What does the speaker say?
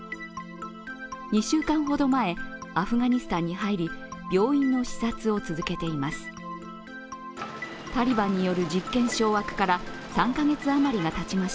２週間ほど前、アフガニスタンに入り、病院の視察を続けています。